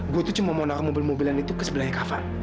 gue tuh cuma mau naruh mobil mobilan itu ke sebelahnya kapal